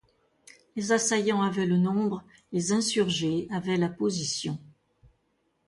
Les assaillants avaient le nombre ; les insurgés avaient la position.